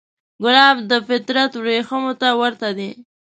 ګلاب د فطرت وریښمو ته ورته دی.